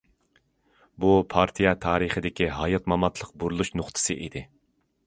بۇ، پارتىيە تارىخىدىكى ھايات- ماماتلىق بۇرۇلۇش نۇقتىسى ئىدى.